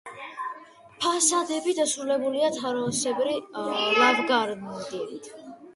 ფასადები დასრულებულია თაროსებრი ლავგარდნით.